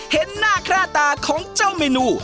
เห็นหน้าค่าตาของเจ้าเมนู